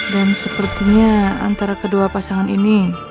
dan sepertinya antara kedua pasangan ini